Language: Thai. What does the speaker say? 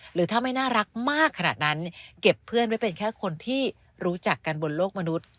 หรือถ้าไม่น่ารักมากขนาดนั้นเก็บเพื่อนไว้เป็นแค่คนที่รู้จักกันบนโลกมนุษย์